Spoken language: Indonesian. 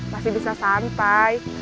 masih bisa santai